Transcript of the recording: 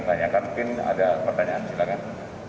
ditanyakan mungkin ada pertanyaan silakan